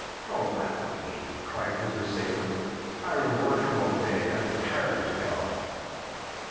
"Don't laugh at me!" cried his assailant. "I been workin' all day. I'm tired as hell!"